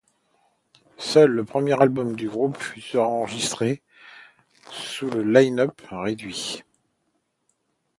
Seul le premier album du groupe sera enregistré sous ce line-up réduit.